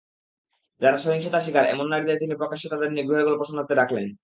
যারা সহিংসতার শিকার, এমন নারীদের তিনি প্রকাশ্যে তাঁদের নিগ্রহের গল্প শোনাতে ডাকলেন।